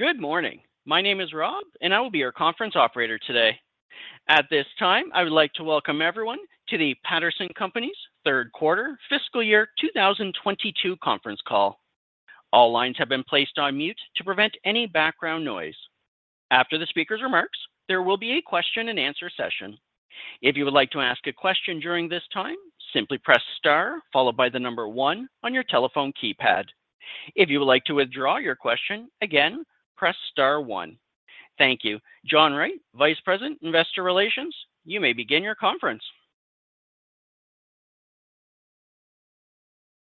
Good morning. My name is Rob, and I will be your conference operator today. At this time, I would like to welcome everyone to the Patterson Companies' third quarter fiscal year 2022 conference call. All lines have been placed on mute to prevent any background noise. After the speaker's remarks, there will be a question-and-answer session. If you would like to ask a question during this time, simply press star followed by the number one on your telephone keypad. If you would like to withdraw your question, again, press star one. Thank you. John Wright, Vice President, Investor Relations, you may begin your conference.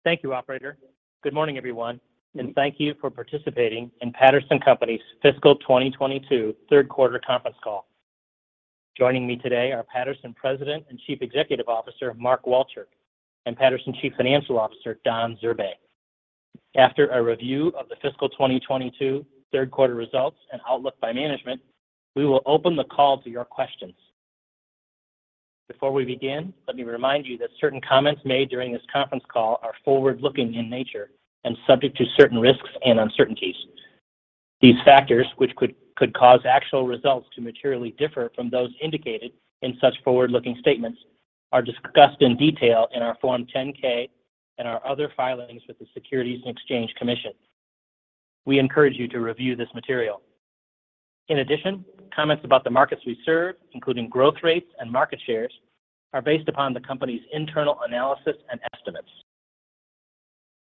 Thank you, operator. Good morning, everyone, and thank you for participating in Patterson Companies' fiscal 2022 third quarter conference call. Joining me today are Patterson President and Chief Executive Officer, Mark Walchirk, and Patterson Chief Financial Officer, Don Zurbay. After a review of the fiscal 2022 third quarter results and outlook by management, we will open the call to your questions. Before we begin, let me remind you that certain comments made during this conference call are forward-looking in nature and subject to certain risks and uncertainties. These factors, which could cause actual results to materially differ from those indicated in such forward-looking statements, are discussed in detail in our Form 10-K and our other filings with the Securities and Exchange Commission. We encourage you to review this material. In addition, comments about the markets we serve, including growth rates and market shares, are based upon the company's internal analysis and estimates.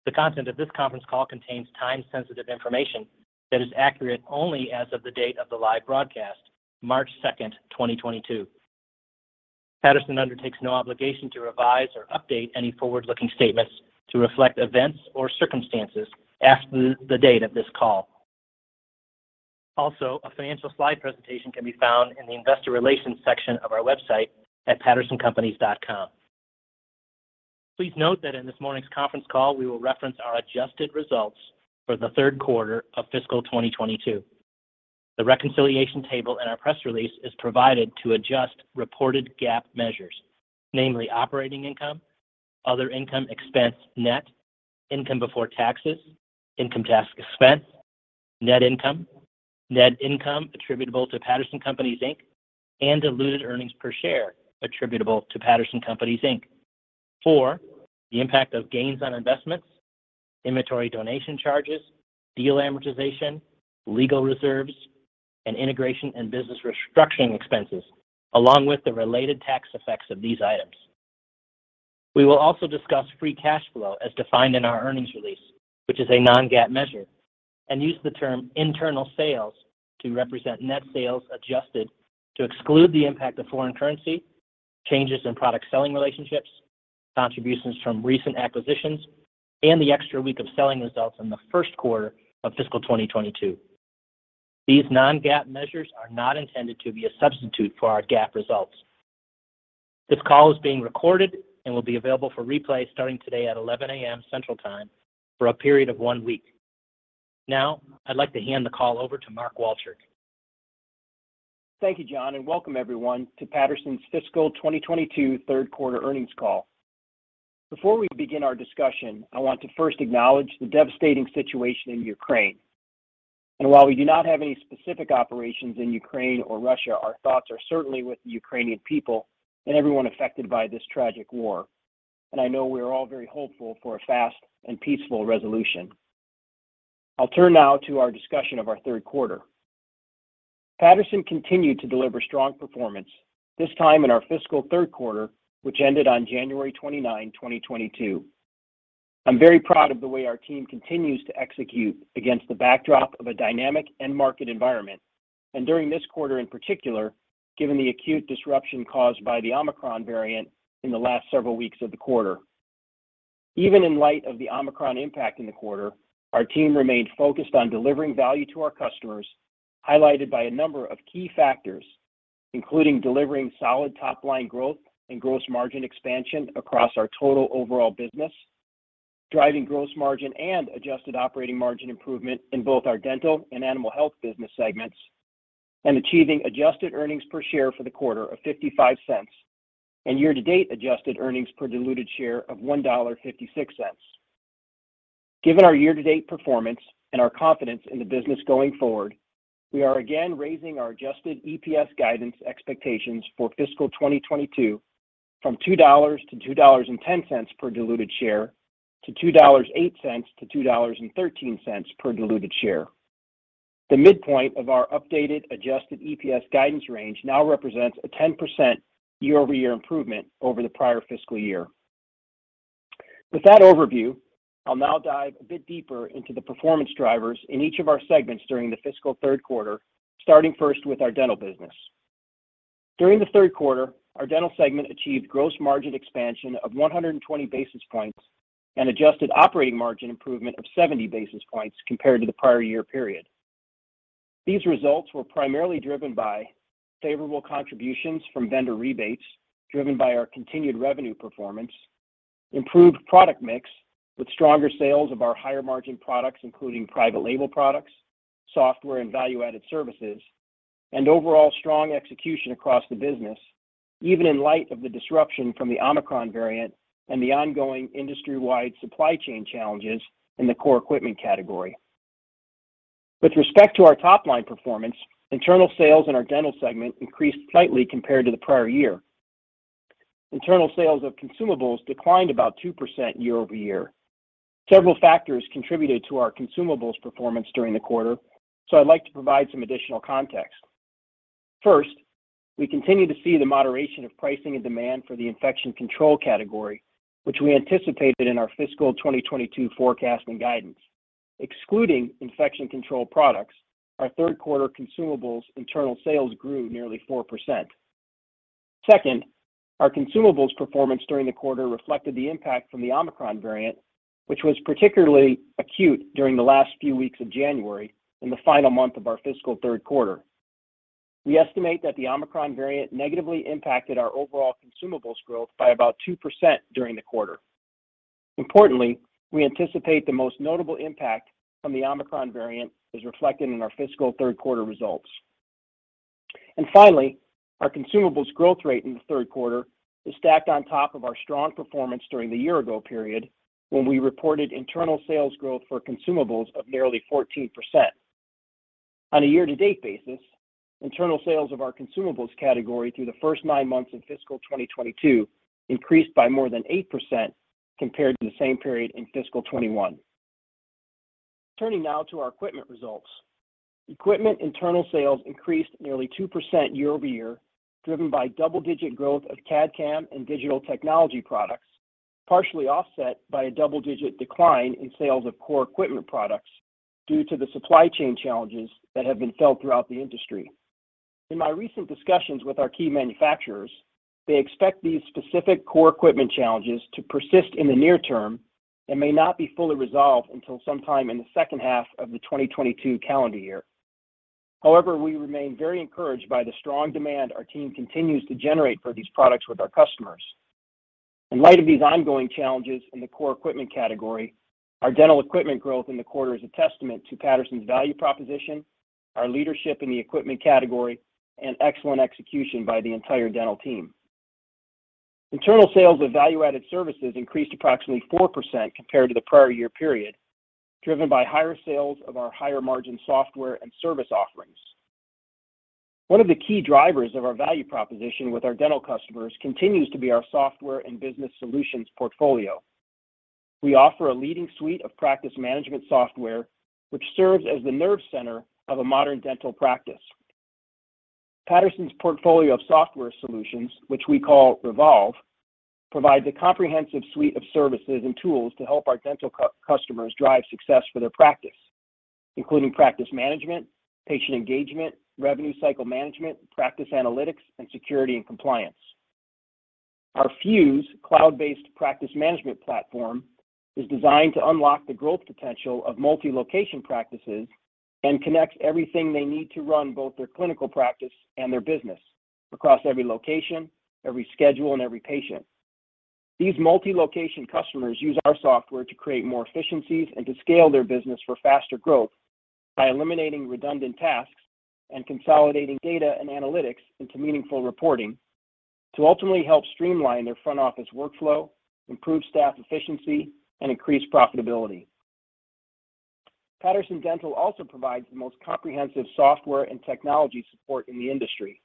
The content of this conference call contains time-sensitive information that is accurate only as of the date of the live broadcast, March 2, 2022. Patterson undertakes no obligation to revise or update any forward-looking statements to reflect events or circumstances after the date of this call. Also, a financial slide presentation can be found in the investor relations section of our website at pattersoncompanies.com. Please note that in this morning's conference call, we will reference our adjusted results for the third quarter of fiscal 2022. The reconciliation table in our press release is provided to adjust reported GAAP measures, namely operating income, other income expense net, income before taxes, income tax expense, net income, net income attributable to Patterson Companies, Inc., and diluted earnings per share attributable to Patterson Companies, Inc. for the impact of gains on investments, inventory donation charges, deal amortization, legal reserves, and integration and business restructuring expenses, along with the related tax effects of these items. We will also discuss free cash flow as defined in our earnings release, which is a non-GAAP measure, and use the term internal sales to represent net sales adjusted to exclude the impact of foreign currency, changes in product selling relationships, contributions from recent acquisitions, and the extra week of selling results in the first quarter of fiscal 2022. These non-GAAP measures are not intended to be a substitute for our GAAP results. This call is being recorded and will be available for replay starting today at 11:00 A.M. Central Time for a period of one week. Now, I'd like to hand the call over to Mark Walchirk. Thank you, John, and welcome everyone to Patterson's fiscal 2022 third quarter earnings call. Before we begin our discussion, I want to first acknowledge the devastating situation in Ukraine. While we do not have any specific operations in Ukraine or Russia, our thoughts are certainly with the Ukrainian people and everyone affected by this tragic war. I know we are all very hopeful for a fast and peaceful resolution. I'll turn now to our discussion of our third quarter. Patterson continued to deliver strong performance, this time in our fiscal third quarter, which ended on January 29, 2022. I'm very proud of the way our team continues to execute against the backdrop of a dynamic end market environment, and during this quarter in particular, given the acute disruption caused by the Omicron variant in the last several weeks of the quarter. Even in light of the Omicron impact in the quarter, our team remained focused on delivering value to our customers, highlighted by a number of key factors, including delivering solid top-line growth and gross margin expansion across our total overall business, driving gross margin and adjusted operating margin improvement in both our Dental and Animal Health business segments, and achieving adjusted earnings per share for the quarter of $0.55, and year-to-date adjusted earnings per diluted share of $1.56. Given our year-to-date performance and our confidence in the business going forward, we are again raising our adjusted EPS guidance expectations for fiscal 2022 from $2.00-$2.10 per diluted share to $2.08-$2.13 per diluted share. The midpoint of our updated adjusted EPS guidance range now represents a 10% year-over-year improvement over the prior fiscal year. With that overview, I'll now dive a bit deeper into the performance drivers in each of our segments during the fiscal third quarter, starting first with our Dental business. During the third quarter, our Dental segment achieved gross margin expansion of 120 basis points and adjusted operating margin improvement of 70 basis points compared to the prior year period. These results were primarily driven by favorable contributions from vendor rebates driven by our continued revenue performance, improved product mix with stronger sales of our higher-margin products, including private label products, software, and value-added services. Overall strong execution across the business, even in light of the disruption from the Omicron variant and the ongoing industry-wide supply chain challenges in the core equipment category. With respect to our top line performance, internal sales in our dental segment increased slightly compared to the prior year. Internal sales of consumables declined about 2% year-over-year. Several factors contributed to our consumables performance during the quarter. I'd like to provide some additional context. First, we continue to see the moderation of pricing and demand for the infection control category, which we anticipated in our fiscal 2022 forecast and guidance. Excluding infection control products, our third quarter consumables internal sales grew nearly 4%. Second, our consumables performance during the quarter reflected the impact from the Omicron variant, which was particularly acute during the last few weeks of January in the final month of our fiscal third quarter. We estimate that the Omicron variant negatively impacted our overall consumables growth by about 2% during the quarter. Importantly, we anticipate the most notable impact from the Omicron variant is reflected in our fiscal third quarter results. Finally, our consumables growth rate in the third quarter is stacked on top of our strong performance during the year ago period when we reported internal sales growth for consumables of nearly 14%. On a year to date basis, internal sales of our consumables category through the first nine months in fiscal 2022 increased by more than 8% compared to the same period in fiscal 2021. Turning now to our equipment results. Equipment internal sales increased nearly 2% year-over-year, driven by double-digit growth of CAD/CAM and digital technology products, partially offset by a double-digit decline in sales of core equipment products due to the supply chain challenges that have been felt throughout the industry. In my recent discussions with our key manufacturers, they expect these specific core equipment challenges to persist in the near term and may not be fully resolved until sometime in the second half of the 2022 calendar year. However, we remain very encouraged by the strong demand our team continues to generate for these products with our customers. In light of these ongoing challenges in the core equipment category, our dental equipment growth in the quarter is a testament to Patterson's value proposition, our leadership in the equipment category, and excellent execution by the entire dental team. Internal sales of value-added services increased approximately 4% compared to the prior year period, driven by higher sales of our higher margin software and service offerings. One of the key drivers of our value proposition with our dental customers continues to be our software and business solutions portfolio. We offer a leading suite of practice management software, which serves as the nerve center of a modern dental practice. Patterson's portfolio of software solutions, which we call Revolve, provides a comprehensive suite of services and tools to help our dental customers drive success for their practice, including practice management, patient engagement, revenue cycle management, practice analytics, and security and compliance. Our Fuse cloud-based practice management platform is designed to unlock the growth potential of multi-location practices and connects everything they need to run both their clinical practice and their business across every location, every schedule, and every patient. These multi-location customers use our software to create more efficiencies and to scale their business for faster growth by eliminating redundant tasks and consolidating data and analytics into meaningful reporting to ultimately help streamline their front office workflow, improve staff efficiency, and increase profitability. Patterson Dental also provides the most comprehensive software and technology support in the industry.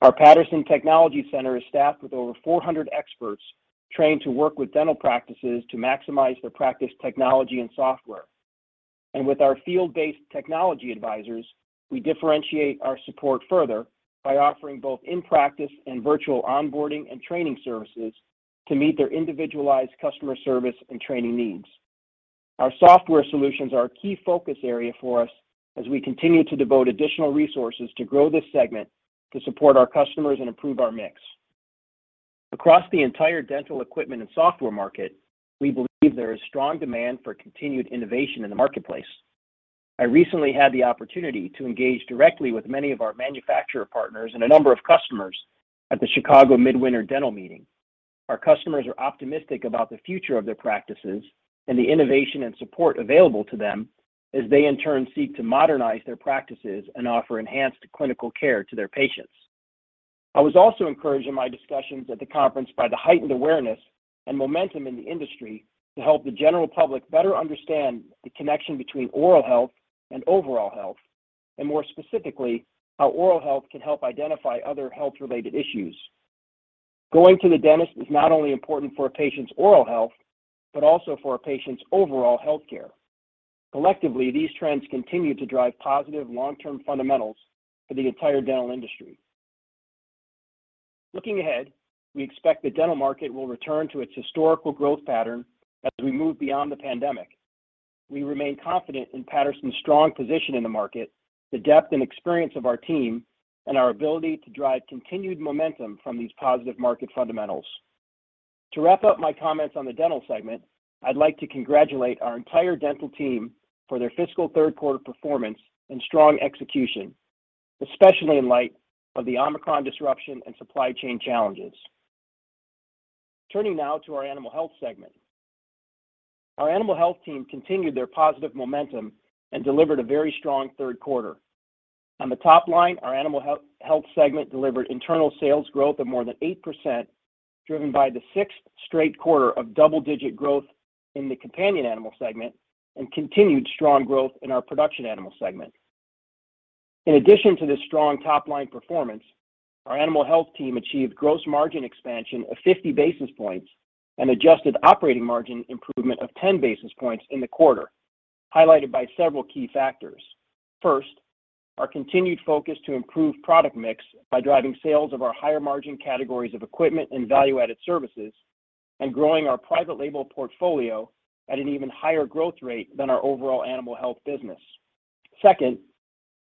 Our Patterson Technology Center is staffed with over 400 experts trained to work with dental practices to maximize their practice technology and software. With our field-based technology advisors, we differentiate our support further by offering both in-practice and virtual onboarding and training services to meet their individualized customer service and training needs. Our software solutions are a key focus area for us as we continue to devote additional resources to grow this segment to support our customers and improve our mix. Across the entire dental equipment and software market, we believe there is strong demand for continued innovation in the marketplace. I recently had the opportunity to engage directly with many of our manufacturer partners and a number of customers at the Chicago Midwinter Dental Meeting. Our customers are optimistic about the future of their practices and the innovation and support available to them as they in turn seek to modernize their practices and offer enhanced clinical care to their patients. I was also encouraged in my discussions at the conference by the heightened awareness and momentum in the industry to help the general public better understand the connection between oral health and overall health, and more specifically, how oral health can help identify other health-related issues. Going to the dentist is not only important for a patient's oral health, but also for a patient's overall health care. Collectively, these trends continue to drive positive long-term fundamentals for the entire dental industry. Looking ahead, we expect the dental market will return to its historical growth pattern as we move beyond the pandemic. We remain confident in Patterson's strong position in the market, the depth and experience of our team, and our ability to drive continued momentum from these positive market fundamentals. To wrap up my comments on the dental segment, I'd like to congratulate our entire dental team for their fiscal third quarter performance and strong execution, especially in light of the Omicron disruption and supply chain challenges. Turning now to our Animal Health segment. Our Animal Health team continued their positive momentum and delivered a very strong third quarter. On the top line, our Animal Health segment delivered internal sales growth of more than 8%, driven by the sixth straight quarter of double-digit growth in the companion animal segment and continued strong growth in our production animal segment. In addition to this strong top-line performance, our Animal Health team achieved gross margin expansion of 50 basis points and adjusted operating margin improvement of 10 basis points in the quarter, highlighted by several key factors. First, our continued focus to improve product mix by driving sales of our higher-margin categories of equipment and value-added services and growing our private label portfolio at an even higher growth rate than our overall Animal Health business. Second,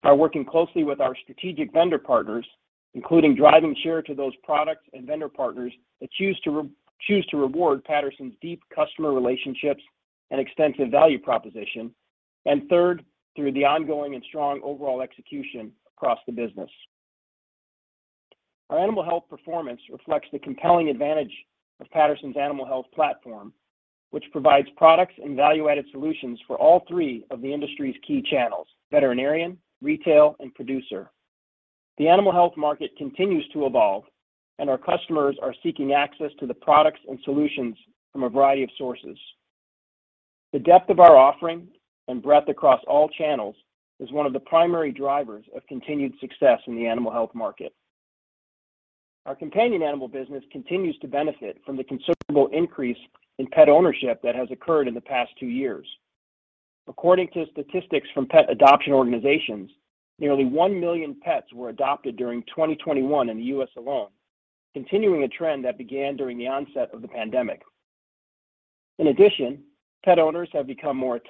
by working closely with our strategic vendor partners, including driving share to those products and vendor partners that choose to reward Patterson's deep customer relationships and extensive value proposition. Third, through the ongoing and strong overall execution across the business. Our Animal Health performance reflects the compelling advantage of Patterson's Animal Health platform, which provides products and value-added solutions for all three of the industry's key channels, veterinarian, retail, and producer. The Animal Health market continues to evolve, and our customers are seeking access to the products and solutions from a variety of sources. The depth of our offering and breadth across all channels is one of the primary drivers of continued success in the Animal Health market. Our companion animal business continues to benefit from the considerable increase in pet ownership that has occurred in the past two years. According to statistics from pet adoption organizations, nearly 1 million pets were adopted during 2021 in the U.S. alone, continuing a trend that began during the onset of the pandemic. In addition, pet owners have become more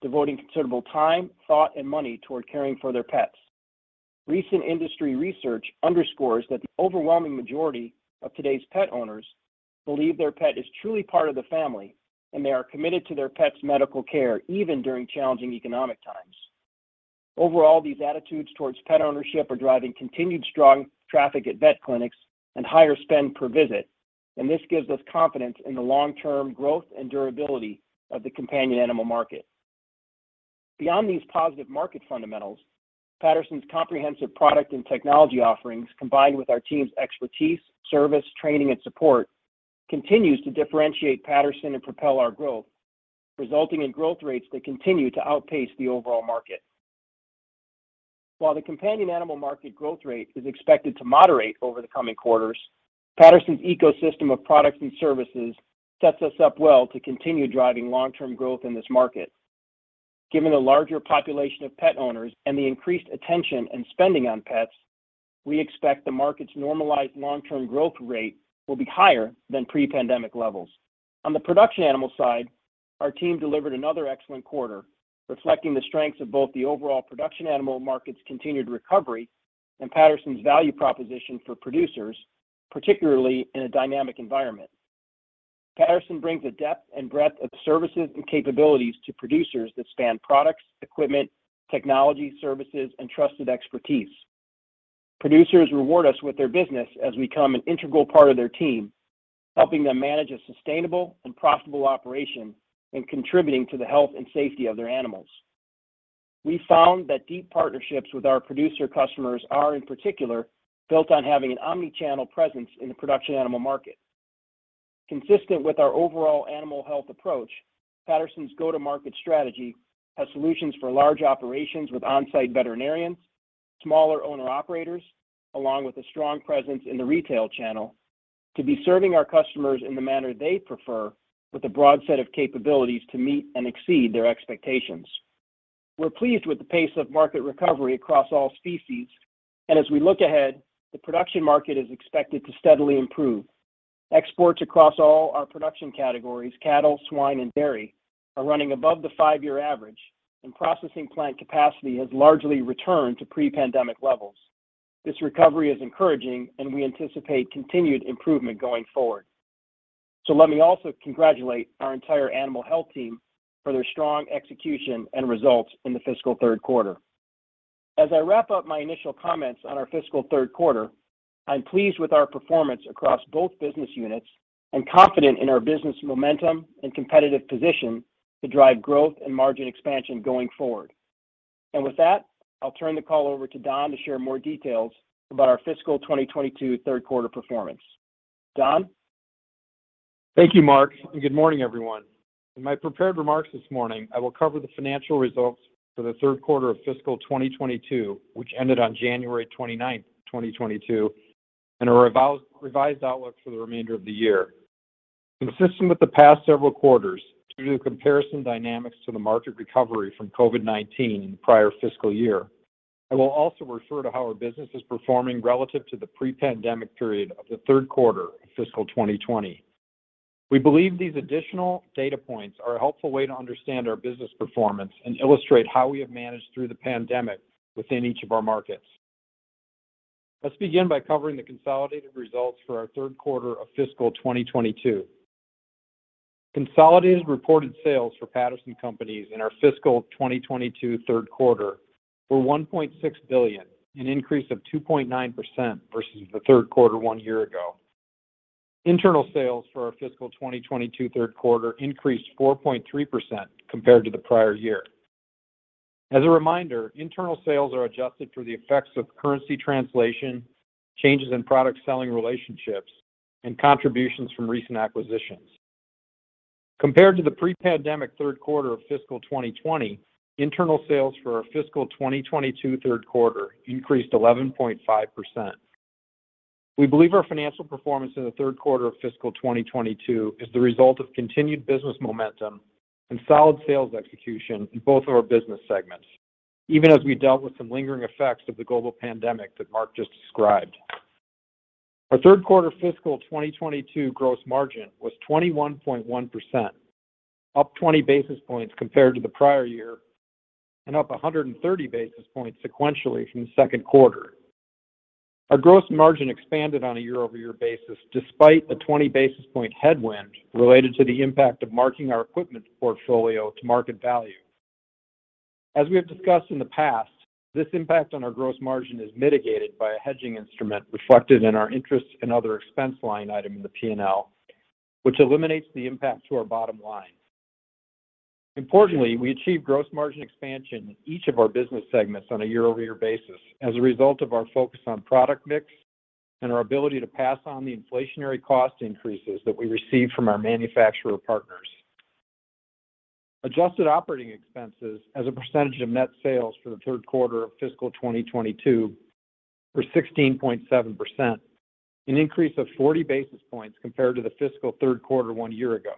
attentive, devoting considerable time, thought, and money toward caring for their pets. Recent industry research underscores that the overwhelming majority of today's pet owners believe their pet is truly part of the family, and they are committed to their pet's medical care even during challenging economic times. Overall, these attitudes towards pet ownership are driving continued strong traffic at vet clinics and higher spend per visit, and this gives us confidence in the long-term growth and durability of the companion animal market. Beyond these positive market fundamentals, Patterson's comprehensive product and technology offerings, combined with our team's expertise, service, training, and support, continues to differentiate Patterson and propel our growth, resulting in growth rates that continue to outpace the overall market. While the companion animal market growth rate is expected to moderate over the coming quarters, Patterson's ecosystem of products and services sets us up well to continue driving long-term growth in this market. Given the larger population of pet owners and the increased attention and spending on pets, we expect the market's normalized long-term growth rate will be higher than pre-pandemic levels. On the production animal side, our team delivered another excellent quarter, reflecting the strengths of both the overall production animal market's continued recovery and Patterson's value proposition for producers, particularly in a dynamic environment. Patterson brings a depth and breadth of services and capabilities to producers that span products, equipment, technology, services, and trusted expertise. Producers reward us with their business as we become an integral part of their team, helping them manage a sustainable and profitable operation and contributing to the health and safety of their animals. We found that deep partnerships with our producer customers are, in particular, built on having an omnichannel presence in the production animal market. Consistent with our overall Animal Health approach, Patterson's go-to-market strategy has solutions for large operations with on-site veterinarians, smaller owner-operators, along with a strong presence in the retail channel to be serving our customers in the manner they prefer with a broad set of capabilities to meet and exceed their expectations. We're pleased with the pace of market recovery across all species. As we look ahead, the production market is expected to steadily improve. Exports across all our production categories, cattle, swine, and dairy, are running above the five-year average, and processing plant capacity has largely returned to pre-pandemic levels. This recovery is encouraging, and we anticipate continued improvement going forward. Let me also congratulate our entire Animal Health team for their strong execution and results in the fiscal third quarter. As I wrap up my initial comments on our fiscal third quarter, I'm pleased with our performance across both business units and confident in our business momentum and competitive position to drive growth and margin expansion going forward. With that, I'll turn the call over to Don to share more details about our fiscal 2022 third quarter performance. Don? Thank you, Mark, and good morning, everyone. In my prepared remarks this morning, I will cover the financial results for the third quarter of fiscal 2022, which ended on January 29, 2022, and a revised outlook for the remainder of the year. Consistent with the past several quarters, due to the comparison dynamics to the market recovery from COVID-19 in the prior fiscal year, I will also refer to how our business is performing relative to the pre-pandemic period of the third quarter of fiscal 2020. We believe these additional data points are a helpful way to understand our business performance and illustrate how we have managed through the pandemic within each of our markets. Let's begin by covering the consolidated results for our third quarter of fiscal 2022. Consolidated reported sales for Patterson Companies in our fiscal 2022 third quarter were $1.6 billion, an increase of 2.9% versus the third quarter one year ago. Internal sales for our fiscal 2022 third quarter increased 4.3% compared to the prior year. As a reminder, internal sales are adjusted for the effects of currency translation, changes in product selling relationships, and contributions from recent acquisitions. Compared to the pre-pandemic third quarter of fiscal 2020, internal sales for our fiscal 2022 third quarter increased 11.5%. We believe our financial performance in the third quarter of fiscal 2022 is the result of continued business momentum and solid sales execution in both of our business segments, even as we dealt with some lingering effects of the global pandemic that Mark just described. Our third quarter fiscal 2022 gross margin was 21.1%, up 20 basis points compared to the prior year, and up 130 basis points sequentially from the second quarter. Our gross margin expanded on a year-over-year basis despite a 20 basis point headwind related to the impact of marking our equipment portfolio to market value. As we have discussed in the past, this impact on our gross margin is mitigated by a hedging instrument reflected in our interest and other expense line item in the P&L, which eliminates the impact to our bottom line. Importantly, we achieved gross margin expansion in each of our business segments on a year-over-year basis as a result of our focus on product mix and our ability to pass on the inflationary cost increases that we receive from our manufacturer partners. Adjusted operating expenses as a percentage of net sales for the third quarter of fiscal 2022 were 16.7%, an increase of 40 basis points compared to the fiscal third quarter one year ago.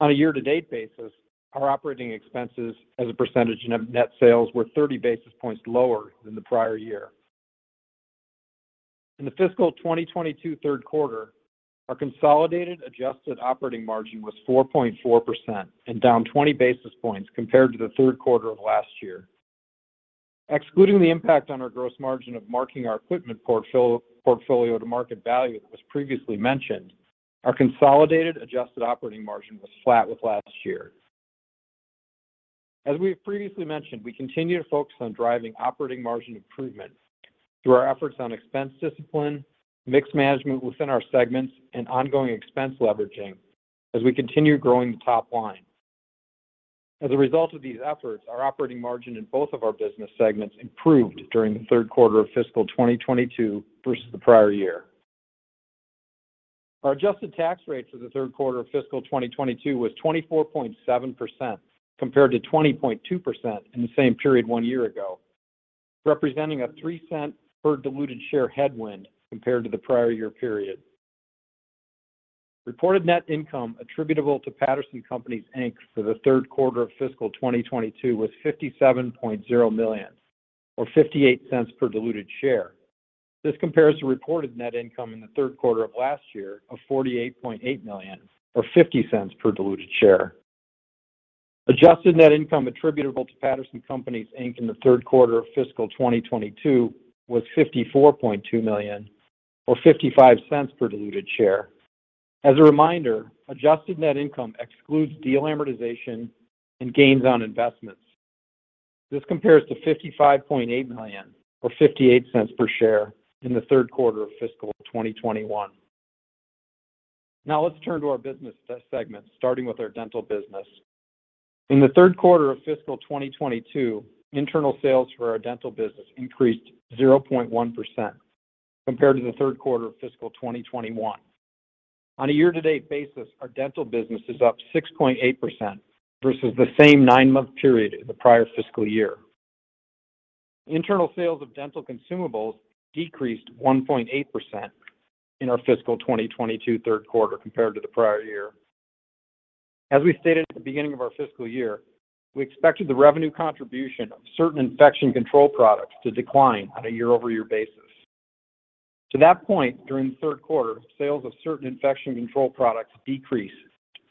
On a year-to-date basis, our operating expenses as a percentage of net sales were 30 basis points lower than the prior year. In the fiscal 2022 third quarter, our consolidated adjusted operating margin was 4.4% and down 20 basis points compared to the third quarter of last year. Excluding the impact on our gross margin of marking our equipment portfolio to market value that was previously mentioned, our consolidated adjusted operating margin was flat with last year. We have previously mentioned, we continue to focus on driving operating margin improvement through our efforts on expense discipline, mix management within our segments, and ongoing expense leveraging as we continue growing the top line. As a result of these efforts, our operating margin in both of our business segments improved during the third quarter of fiscal 2022 versus the prior year. Our adjusted tax rate for the third quarter of fiscal 2022 was 24.7% compared to 20.2% in the same period one year ago, representing a $0.03 per diluted share headwind compared to the prior year period. Reported net income attributable to Patterson Companies, Inc. For the third quarter of fiscal 2022 was $57.0 million or $0.58 per diluted share. This compares to reported net income in the third quarter of last year of $48.8 million or $0.50 per diluted share. Adjusted net income attributable to Patterson Companies, Inc. in the third quarter of fiscal 2022 was $54.2 million or $0.55 per diluted share. As a reminder, adjusted net income excludes deal amortization and gains on investments. This compares to $55.8 million or $0.58 per share in the third quarter of fiscal 2021. Now let's turn to our business segments, starting with our dental business. In the third quarter of fiscal 2022, internal sales for our dental business increased 0.1% compared to the third quarter of fiscal 2021. On a year-to-date basis, our dental business is up 6.8% versus the same nine-month period in the prior fiscal year. Internal sales of dental consumables decreased 1.8% in our fiscal 2022 third quarter compared to the prior year. We stated at the beginning of our fiscal year we expected the revenue contribution of certain infection control products to decline on a year-over-year basis. To that point, during the third quarter, sales of certain infection control products decreased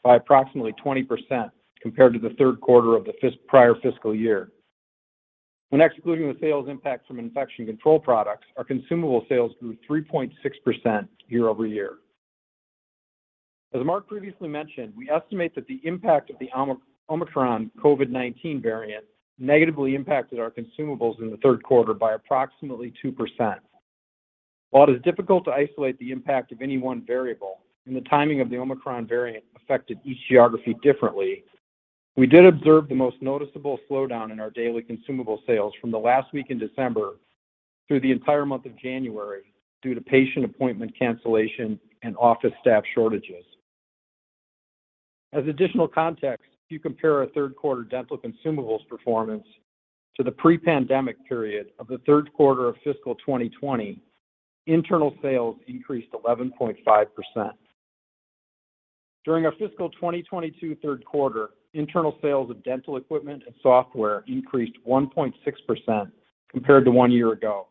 by approximately 20% compared to the third quarter of the prior fiscal year. When excluding the sales impact from infection control products, our consumable sales grew 3.6% year-over-year. As Mark previously mentioned, we estimate that the impact of the Omicron COVID-19 variant negatively impacted our consumables in the third quarter by approximately 2%. While it is difficult to isolate the impact of any one variable, and the timing of the Omicron variant affected each geography differently, we did observe the most noticeable slowdown in our daily consumable sales from the last week in December through the entire month of January due to patient appointment cancellation and office staff shortages. As additional context, if you compare our third quarter dental consumables performance to the pre-pandemic period of the third quarter of fiscal 2020, internal sales increased 11.5%. During our fiscal 2022 third quarter, internal sales of dental equipment and software increased 1.6% compared to one year ago.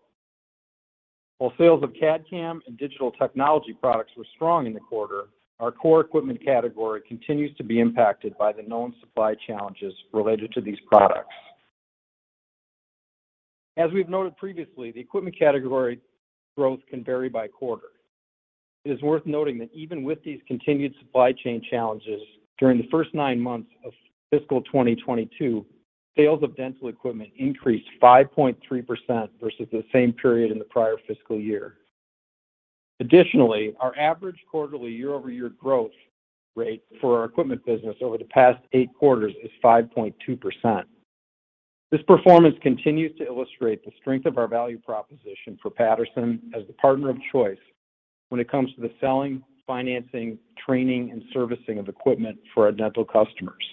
While sales of CAD/CAM and digital technology products were strong in the quarter, our core equipment category continues to be impacted by the known supply challenges related to these products. As we've noted previously, the equipment category growth can vary by quarter. It is worth noting that even with these continued supply chain challenges during the first nine months of fiscal 2022, sales of dental equipment increased 5.3% versus the same period in the prior fiscal year. Additionally, our average quarterly year-over-year growth rate for our equipment business over the past eight quarters is 5.2%. This performance continues to illustrate the strength of our value proposition for Patterson as the partner of choice when it comes to the selling, financing, training, and servicing of equipment for our dental customers.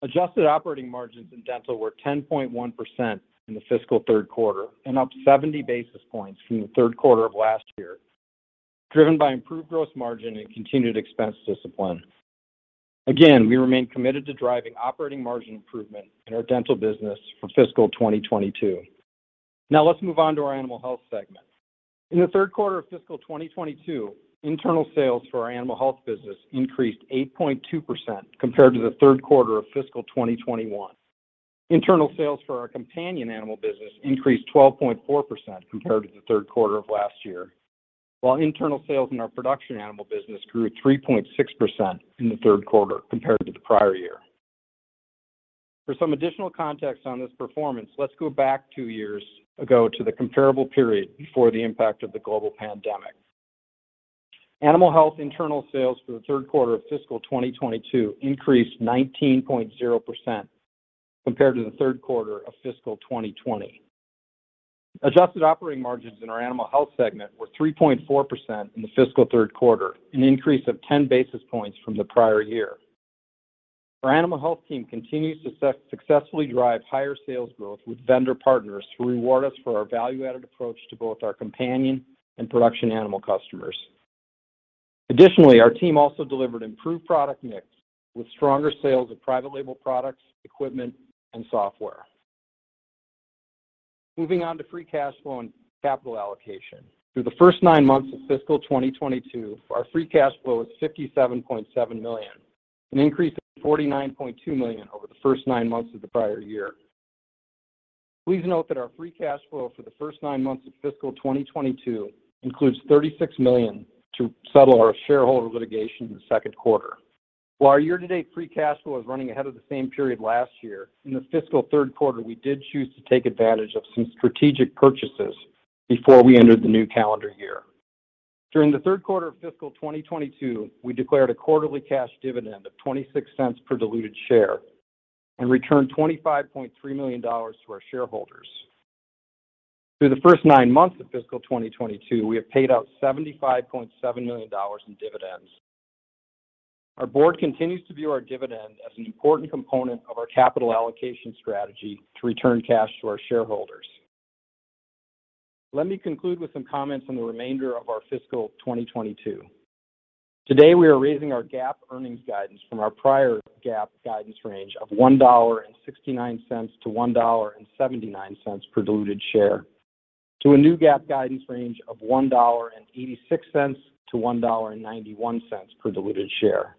Adjusted operating margins in dental were 10.1% in the fiscal third quarter and up 70 basis points from the third quarter of last year, driven by improved gross margin and continued expense discipline. We remain committed to driving operating margin improvement in our dental business for fiscal 2022. Now let's move on to our animal health segment. In the third quarter of fiscal 2022, internal sales for our animal health business increased 8.2% compared to the third quarter of fiscal 2021. Internal sales for our companion animal business increased 12.4% compared to the third quarter of last year, while internal sales in our production animal business grew 3.6% in the third quarter compared to the prior year. For some additional context on this performance, let's go back two years ago to the comparable period before the impact of the global pandemic. Animal Health internal sales for the third quarter of fiscal 2022 increased 19.0% compared to the third quarter of fiscal 2020. Adjusted operating margins in our Animal Health segment were 3.4% in the fiscal third quarter, an increase of 10 basis points from the prior year. Our Animal Health team continues to successfully drive higher sales growth with vendor partners who reward us for our value-added approach to both our companion and production animal customers. Additionally, our team also delivered improved product mix with stronger sales of private label products, equipment, and software. Moving on to free cash flow and capital allocation. Through the first nine months of fiscal 2022, our free cash flow is $57.7 million, an increase of $49.2 million over the first nine months of the prior year. Please note that our free cash flow for the first nine months of fiscal 2022 includes $36 million to settle our shareholder litigation in the second quarter. While our year-to-date free cash flow is running ahead of the same period last year, in the fiscal third quarter, we did choose to take advantage of some strategic purchases before we entered the new calendar year. During the third quarter of fiscal 2022, we declared a quarterly cash dividend of $0.26 per diluted share and returned $25.3 million to our shareholders. Through the first nine months of fiscal 2022, we have paid out $75.7 million in dividends. Our board continues to view our dividend as an important component of our capital allocation strategy to return cash to our shareholders. Let me conclude with some comments on the remainder of our fiscal 2022. Today, we are raising our GAAP earnings guidance from our prior GAAP guidance range of $1.69-$1.79 per diluted share to a new GAAP guidance range of $1.86-$1.91 per diluted share.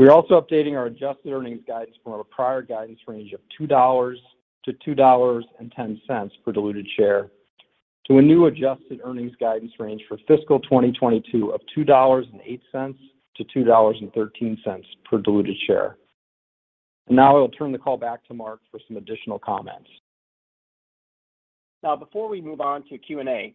We are also updating our adjusted earnings guidance from our prior guidance range of $2.00-$2.10 per diluted share to a new adjusted earnings guidance range for fiscal 2022 of $2.08-$2.13 per diluted share. Now I will turn the call back to Mark for some additional comments. Now before we move on to Q&A,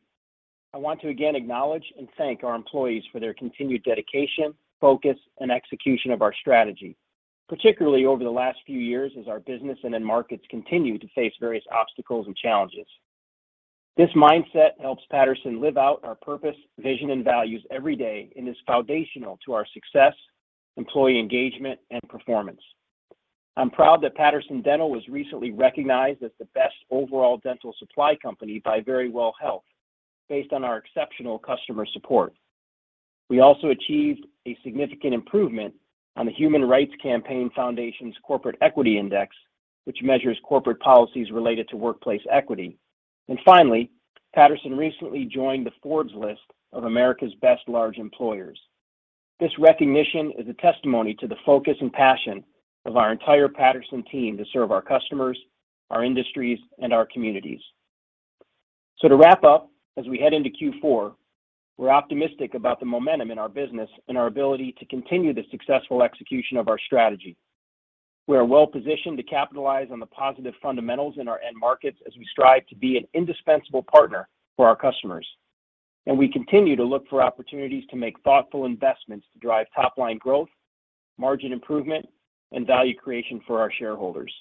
I want to again acknowledge and thank our employees for their continued dedication, focus, and execution of our strategy, particularly over the last few years as our business and end markets continue to face various obstacles and challenges. This mindset helps Patterson live out our purpose, vision, and values every day and is foundational to our success, employee engagement, and performance. I'm proud that Patterson Dental was recently recognized as the best overall dental supply company by Verywell Health based on our exceptional customer support. We also achieved a significant improvement on the Human Rights Campaign Foundation's Corporate Equality Index, which measures corporate policies related to workplace equity. Finally, Patterson recently joined the Forbes list of America's best large employers. This recognition is a testimony to the focus and passion of our entire Patterson team to serve our customers, our industries, and our communities. To wrap up, as we head into Q4, we're optimistic about the momentum in our business and our ability to continue the successful execution of our strategy. We are well positioned to capitalize on the positive fundamentals in our end markets as we strive to be an indispensable partner for our customers. We continue to look for opportunities to make thoughtful investments to drive top-line growth, margin improvement, and value creation for our shareholders.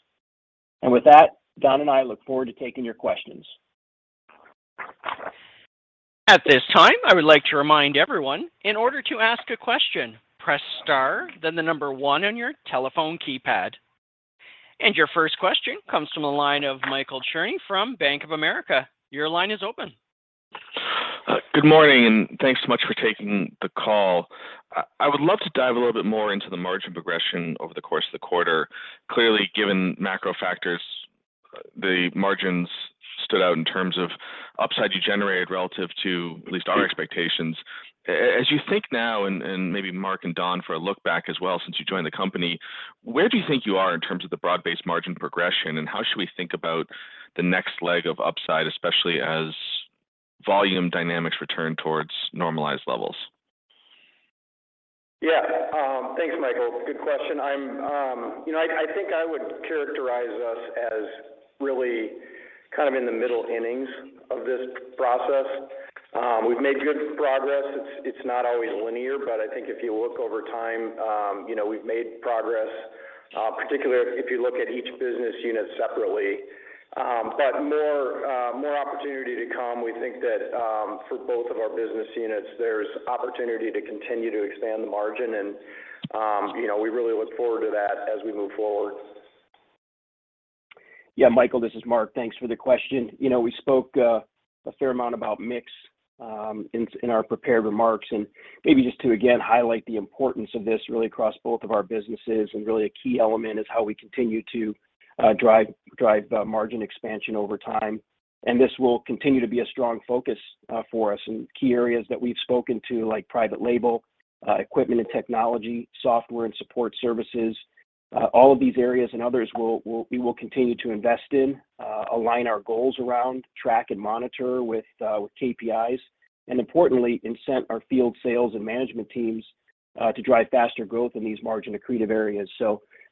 With that, Don and I look forward to taking your questions. At this time, I would like to remind everyone, in order to ask a question, press star, then the number one on your telephone keypad. Your first question comes from the line of Michael Cherny from Bank of America. Your line is open. Good morning, and thanks so much for taking the call. I would love to dive a little bit more into the margin progression over the course of the quarter. Clearly, given macro factors, the margins stood out in terms of upside you generated relative to at least our expectations. As you think now, and maybe Mark and Don for a look back as well since you joined the company, where do you think you are in terms of the broad-based margin progression, and how should we think about the next leg of upside, especially as volume dynamics return towards normalized levels? Yeah. Thanks, Michael. Good question. I'm... You know, I think I would characterize us as really kind of in the middle innings of this process. We've made good progress. It's not always linear, but I think if you look over time, you know, we've made progress, particularly if you look at each business unit separately. But more opportunity to come. We think that, for both of our business units, there's opportunity to continue to expand the margin and, you know, we really look forward to that as we move forward. Yeah, Michael, this is Mark. Thanks for the question. You know, we spoke a fair amount about mix in our prepared remarks. Maybe just to, again, highlight the importance of this really across both of our businesses and really a key element is how we continue to drive margin expansion over time. This will continue to be a strong focus for us in key areas that we've spoken to, like private label, equipment and technology, software and support services. All of these areas and others we will continue to invest in, align our goals around, track and monitor with KPIs. Importantly, incent our field sales and management teams to drive faster growth in these margin accretive areas.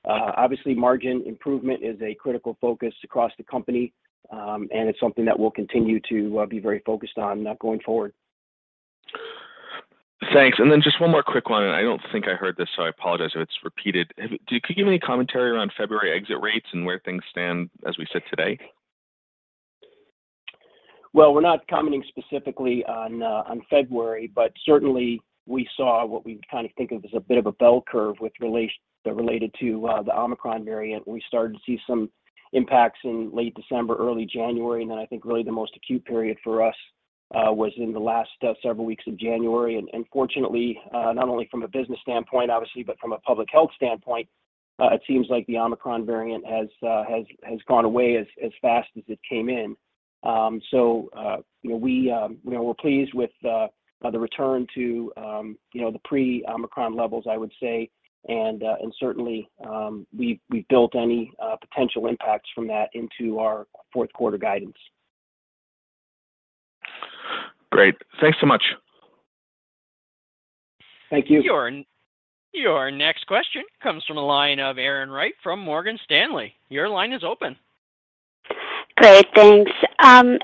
Obviously, margin improvement is a critical focus across the company, and it's something that we'll continue to be very focused on, going forward. Thanks. Then just one more quick one. I don't think I heard this, so I apologize if it's repeated. Could you give any commentary around February exit rates and where things stand as we sit today? Well, we're not commenting specifically on February, but certainly we saw what we kind of think of as a bit of a bell curve with related to the Omicron variant. We started to see some impacts in late December, early January. Fortunately, not only from a business standpoint, obviously, but from a public health standpoint, it seems like the Omicron variant has gone away as fast as it came in. So, you know, we're pleased with the return to, you know, the pre-Omicron levels, I would say. And certainly, we've built any potential impacts from that into our fourth quarter guidance. Great. Thanks so much. Thank you. Your next question comes from the line of Erin Wright from Morgan Stanley. Your line is open. Great. Thanks.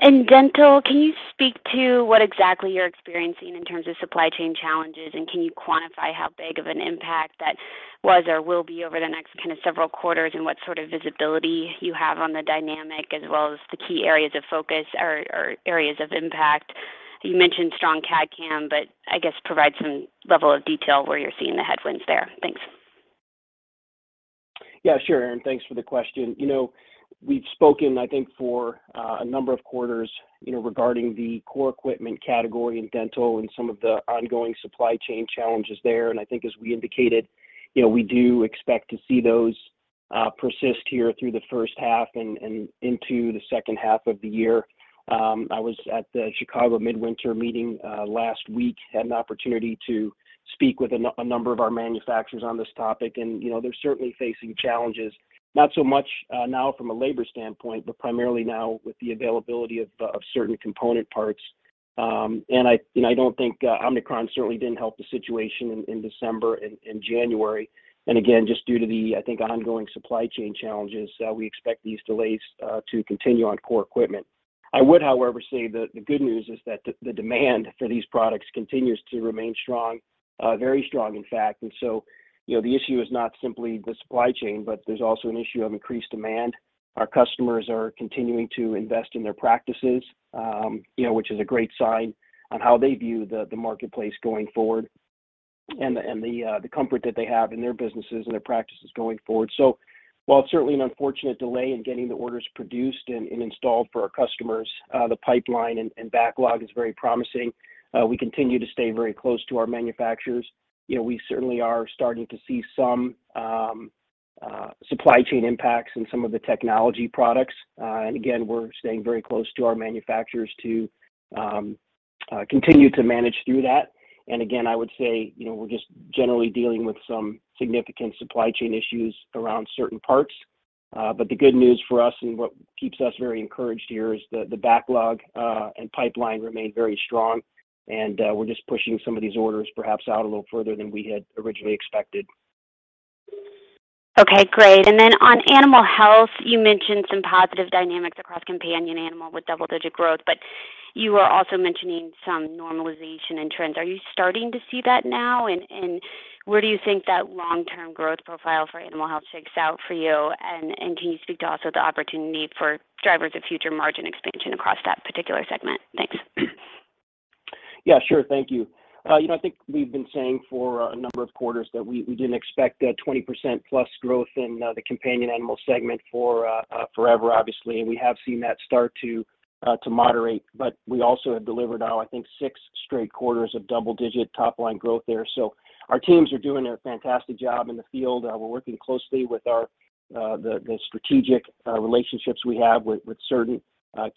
In dental, can you speak to what exactly you're experiencing in terms of supply chain challenges, and can you quantify how big of an impact that was or will be over the next kind of several quarters, and what sort of visibility you have on the dynamic as well as the key areas of focus or areas of impact? You mentioned strong CAD/CAM, but I guess provide some level of detail where you're seeing the headwinds there. Thanks. Yeah, sure, Erin. Thanks for the question. You know, we've spoken, I think, for a number of quarters, you know, regarding the core equipment category in dental and some of the ongoing supply chain challenges there. I think as we indicated, you know, we do expect to see those persist here through the first half and into the second half of the year. I was at the Chicago Midwinter Meeting last week. Had an opportunity to speak with a number of our manufacturers on this topic. You know, they're certainly facing challenges, not so much now from a labor standpoint, but primarily now with the availability of certain component parts. I don't think Omicron certainly didn't help the situation in December and January. Again, just due to the, I think, ongoing supply chain challenges, we expect these delays to continue on core equipment. I would, however, say the good news is that the demand for these products continues to remain strong, very strong in fact. You know, the issue is not simply the supply chain, but there's also an issue of increased demand. Our customers are continuing to invest in their practices, you know, which is a great sign on how they view the marketplace going forward and the comfort that they have in their businesses and their practices going forward. While it's certainly an unfortunate delay in getting the orders produced and installed for our customers, the pipeline and backlog is very promising. We continue to stay very close to our manufacturers. You know, we certainly are starting to see some supply chain impacts in some of the technology products. Again, we're staying very close to our manufacturers to continue to manage through that. Again, I would say, you know, we're just generally dealing with some significant supply chain issues around certain parts. The good news for us and what keeps us very encouraged here is the backlog and pipeline remain very strong, and we're just pushing some of these orders perhaps out a little further than we had originally expected. Okay, great. On animal health, you mentioned some positive dynamics across companion animal with double-digit growth, but you were also mentioning some normalization in trends. Are you starting to see that now? Where do you think that long-term growth profile for animal health shakes out for you? Can you speak to also the opportunity for drivers of future margin expansion across that particular segment? Thanks. Yeah, sure. Thank you. You know, I think we've been saying for a number of quarters that we didn't expect 20%+ growth in the companion animal segment for forever, obviously. We have seen that start to moderate, but we also have delivered now I think six straight quarters of double digit top line growth there. Our teams are doing a fantastic job in the field. We're working closely with the strategic relationships we have with certain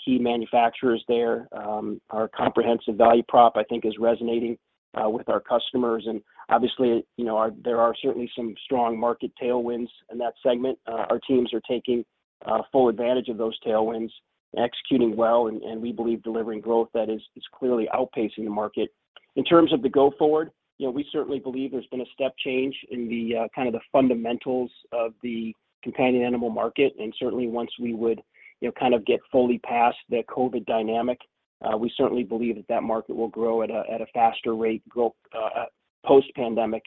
key manufacturers there. Our comprehensive value prop, I think, is resonating with our customers. Obviously, you know, there are certainly some strong market tailwinds in that segment. Our teams are taking full advantage of those tailwinds and executing well and we believe delivering growth that is clearly outpacing the market. In terms of the go forward, you know, we certainly believe there's been a step change in the kind of the fundamentals of the companion animal market. Certainly once we would, you know, kind of get fully past that COVID dynamic, we certainly believe that market will grow at a faster rate growth post-pandemic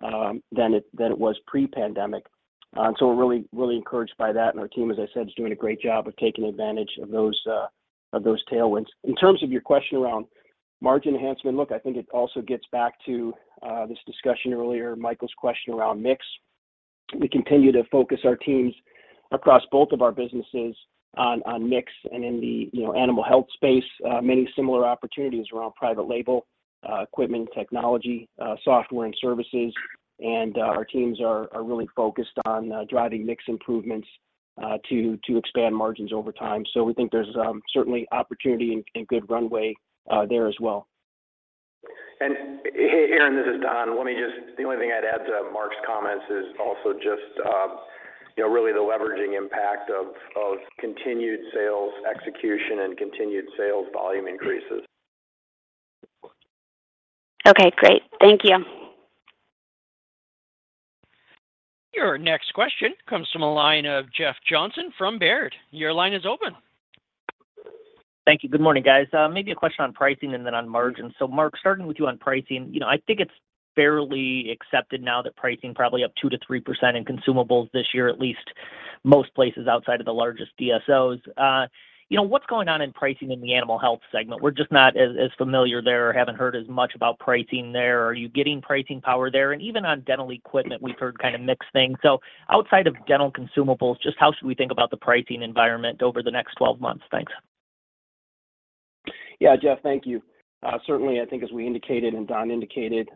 than it was pre-pandemic. We're really encouraged by that, and our team, as I said, is doing a great job of taking advantage of those tailwinds. In terms of your question around margin enhancement, look, I think it also gets back to this discussion earlier, Michael's question around mix. We continue to focus our teams across both of our businesses on mix and in the you know animal health space, many similar opportunities around private label, equipment technology, software and services. Our teams are really focused on driving mix improvements to expand margins over time. We think there's certainly opportunity and good runway there as well. Hey, Erin, this is Don. The only thing I'd add to Mark's comments is also just, you know, really the leveraging impact of continued sales execution and continued sales volume increases. Okay, great. Thank you. Your next question comes from the line of Jeff Johnson from Baird. Your line is open. Thank you. Good morning, guys. Maybe a question on pricing and then on margins. Mark, starting with you on pricing. You know, I think it's fairly accepted now that pricing probably up 2%-3% in consumables this year, at least most places outside of the largest DSOs. You know, what's going on in pricing in the animal health segment? We're just not as familiar there or haven't heard as much about pricing there. Are you getting pricing power there? And even on dental equipment, we've heard kind of mixed things. Outside of dental consumables, just how should we think about the pricing environment over the next 12 months? Thanks. Yeah, Jeff, thank you. Certainly, I think as we indicated and Don indicated,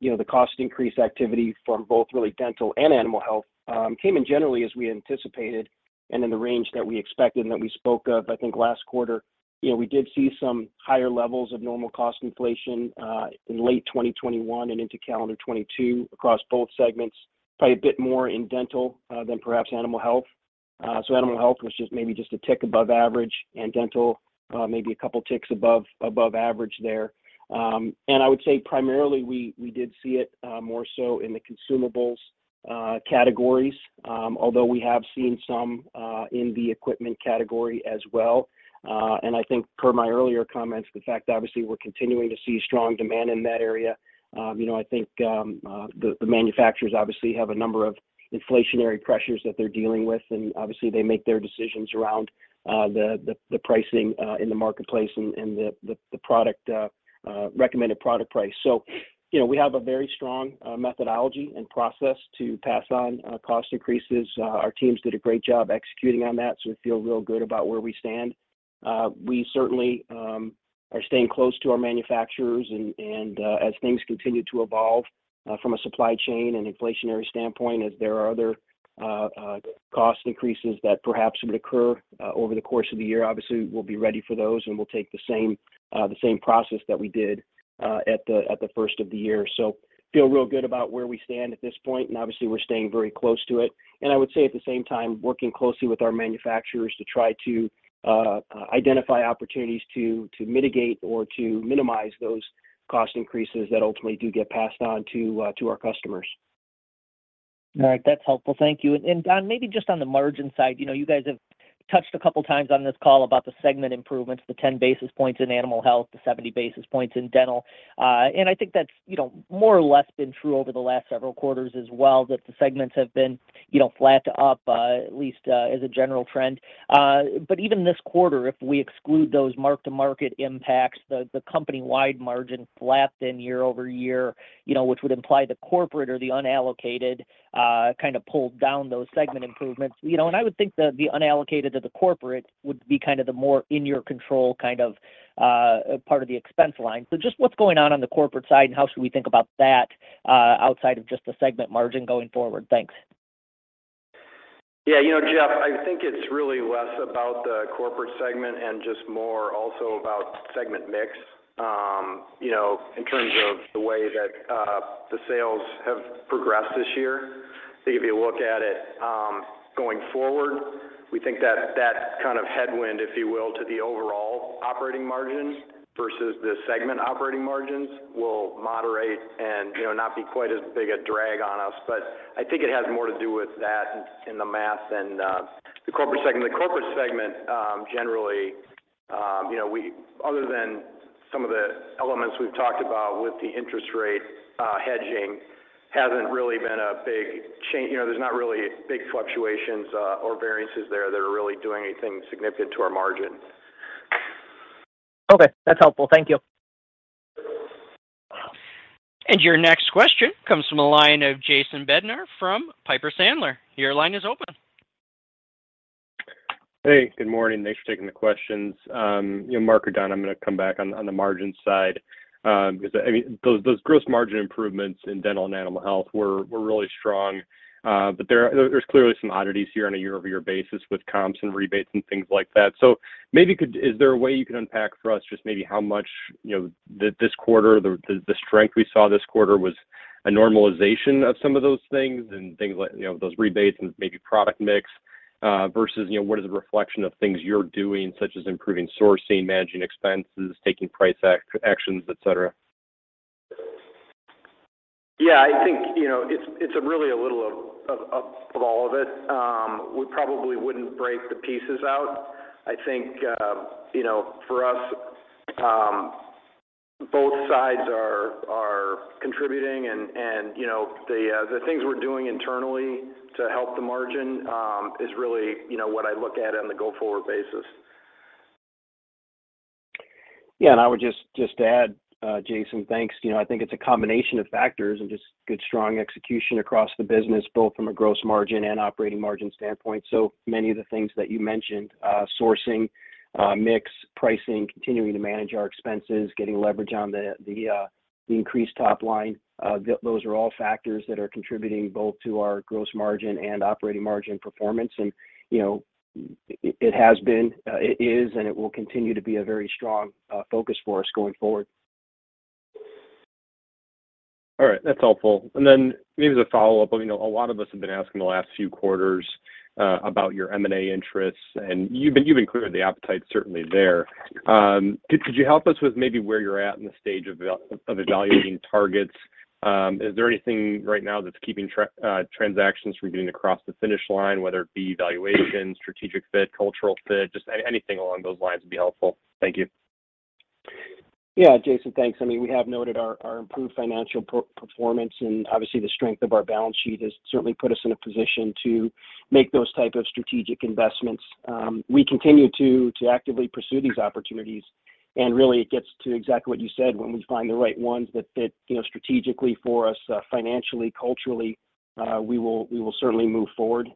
you know, the cost increase activity from both our Dental and Animal Health came in generally as we anticipated and in the range that we expected and that we spoke of, I think, last quarter. You know, we did see some higher levels of normal cost inflation in late 2021 and into calendar 2022 across both segments, probably a bit more in Dental than perhaps Animal Health. Animal Health was just maybe a tick above average, and Dental maybe a couple ticks above average there. I would say primarily we did see it more so in the consumables categories, although we have seen some in the equipment category as well. I think per my earlier comments, the fact obviously we're continuing to see strong demand in that area. You know, I think, the manufacturers obviously have a number of inflationary pressures that they're dealing with, and obviously they make their decisions around, the pricing in the marketplace and, the product recommended product price. You know, we have a very strong methodology and process to pass on cost increases. Our teams did a great job executing on that, we feel real good about where we stand. We certainly are staying close to our manufacturers and, as things continue to evolve, from a supply chain and inflationary standpoint. As there are other cost increases that perhaps would occur over the course of the year, obviously we'll be ready for those, and we'll take the same process that we did at the first of the year. We feel real good about where we stand at this point, and obviously we're staying very close to it. I would say at the same time, working closely with our manufacturers to try to identify opportunities to mitigate or to minimize those cost increases that ultimately do get passed on to our customers. All right. That's helpful. Thank you. Don, maybe just on the margin side. You know, you guys have touched a couple of times on this call about the segment improvements, the 10 basis points in animal health, the 70 basis points in dental. I think that's, you know, more or less been true over the last several quarters as well, that the segments have been, you know, flat to up, at least, as a general trend. Even this quarter, if we exclude those mark-to-market impacts, the company-wide margin flat year-over-year, you know, which would imply the corporate or the unallocated kind of pulled down those segment improvements. You know, I would think that the unallocated to the corporate would be kind of the more in your control kind of part of the expense line. Just what's going on the corporate side, and how should we think about that, outside of just the segment margin going forward? Thanks. Yeah, you know, Jeff, I think it's really less about the corporate segment and just more also about segment mix, you know, in terms of the way that the sales have progressed this year. I think if you look at it, going forward, we think that that kind of headwind, if you will, to the overall operating margins versus the segment operating margins will moderate and, you know, not be quite as big a drag on us. But I think it has more to do with that in the math than the corporate segment. The corporate segment, generally, you know, we other than some of the elements we've talked about with the interest rate hedging, hasn't really been a big change. You know, there's not really big fluctuations or variances there that are really doing anything significant to our margin. Okay. That's helpful. Thank you. Your next question comes from the line of Jason Bednar from Piper Sandler. Your line is open. Hey, good morning. Thanks for taking the questions. You know, Mark or Don, I'm gonna come back on the margin side, because I mean, those gross margin improvements in dental and animal health were really strong. But there's clearly some oddities here on a year-over-year basis with comps and rebates and things like that. Is there a way you can unpack for us just maybe how much, you know, this quarter, the strength we saw this quarter was a normalization of some of those things and things like, you know, those rebates and maybe product mix, versus, you know, what is the reflection of things you're doing, such as improving sourcing, managing expenses, taking price actions, et cetera? Yeah. I think, you know, it's really a little of all of it. We probably wouldn't break the pieces out. I think, you know, for us, both sides are contributing and, you know, the things we're doing internally to help the margin is really, you know, what I look at on the go-forward basis. Yeah. I would just add, Jason, thanks. You know, I think it's a combination of factors and just good strong execution across the business, both from a gross margin and operating margin standpoint. Many of the things that you mentioned, sourcing, mix, pricing, continuing to manage our expenses, getting leverage on the increased top line, those are all factors that are contributing both to our gross margin and operating margin performance. You know, it has been, it is, and it will continue to be a very strong focus for us going forward. All right. That's helpful. Maybe as a follow-up, you know, a lot of us have been asking the last few quarters about your M&A interests, and you've been clear the appetite's certainly there. Could you help us with maybe where you're at in the stage of evaluating targets? Is there anything right now that's keeping transactions from getting across the finish line, whether it be valuation, strategic fit, cultural fit, anything along those lines would be helpful. Thank you. Yeah. Jason, thanks. I mean, we have noted our improved financial performance and obviously the strength of our balance sheet has certainly put us in a position to make those type of strategic investments. We continue to actively pursue these opportunities, and really it gets to exactly what you said. When we find the right ones that fit, you know, strategically for us, financially, culturally, we will certainly move forward.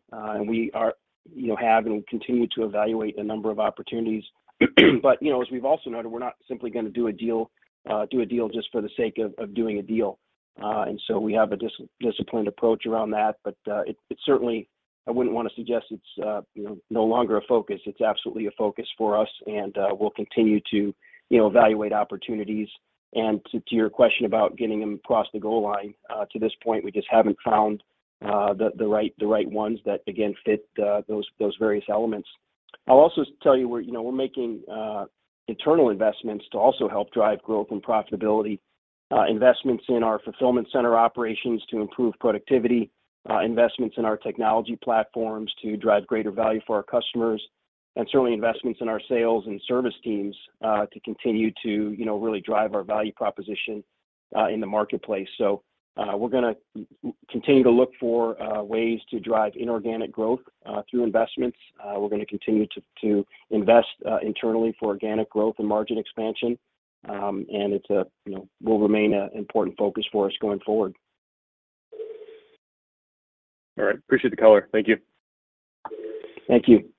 We have and continue to evaluate a number of opportunities. You know, as we've also noted, we're not simply gonna do a deal just for the sake of doing a deal. We have a disciplined approach around that, but it certainly. I wouldn't wanna suggest it's, you know, no longer a focus. It's absolutely a focus for us, and we'll continue to, you know, evaluate opportunities. To your question about getting them across the goal line, to this point, we just haven't found the right ones that, again, fit those various elements. I'll also tell you we're, you know, making internal investments to also help drive growth and profitability, investments in our fulfillment center operations to improve productivity, investments in our technology platforms to drive greater value for our customers, and certainly investments in our sales and service teams to continue to, you know, really drive our value proposition in the marketplace. We're gonna continue to look for ways to drive inorganic growth through investments. We're gonna continue to invest internally for organic growth and margin expansion. It, you know, will remain an important focus for us going forward. All right. Appreciate the color. Thank you. Thank you.